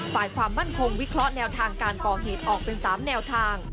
ฝ่ายความมั่นคงวิเคราะห์แนวทางการก่อเหตุออกเป็น๓แนวทาง